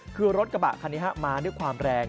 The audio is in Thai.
คือรถกระบะคันนี้มาด้วยความแรง